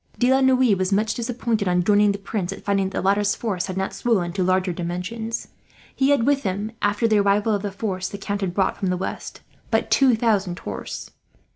De la Noue was much disappointed, on joining the Prince, at finding that the latter's force had not swollen to larger dimensions. He had with him, after the arrival of the force the Count had brought from the west, but two thousand horse.